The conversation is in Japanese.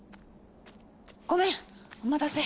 ごめんお待たせ！